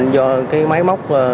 do cái máy móc